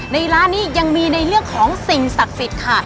ในร้านนี้ยังมีในเรื่องของสิ่งศักดิ์สิทธิ์ค่ะ